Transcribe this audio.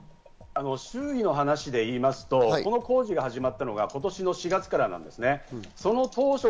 周囲の話で言いますと、この工事が始まったのが今年の４月からなんですね。